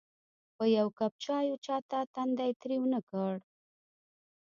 په یوه کپ چایو چاته تندی تریو نه کړ.